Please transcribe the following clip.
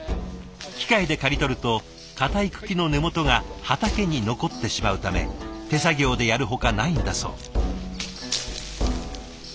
機械で刈り取ると硬い茎の根元が畑に残ってしまうため手作業でやるほかないんだそう。